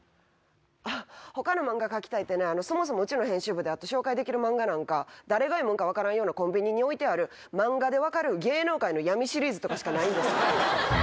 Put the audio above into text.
あー、ほかの漫画描きたいってね、そもそもうちの編集部で紹介できる漫画なんか、誰が読むんか分からないようなコンビニに置いてある漫画で分かる芸能界の闇シリーズとかしかないんです。